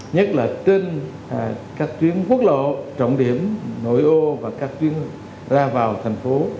nhất là trên các chuyến quốc lộ trọng điểm nội ô và các chuyến ra vào thành phố